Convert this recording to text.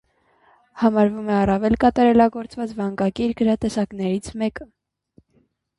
Համարվում է առավել կատարելագործված վանկագիր գրատեսակներից մեկը։